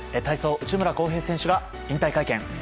体操、内村航平選手が引退会見。